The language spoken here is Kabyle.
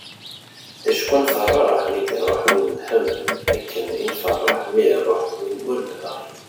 acku nfeṛṛeḥ mi d-iruḥ win nḥemmel akken i nfeṛṛeḥ mi iruḥ win ur nebɣi